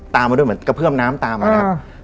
ตามมาด้วยเหมือนกระเพื่อมน้ำตามมานะครับ